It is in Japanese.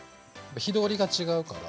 火通りが違うから。